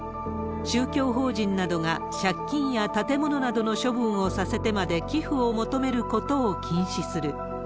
宗教法人などが、借金や建物の処分などをさせてまで寄付を求めることを禁止する。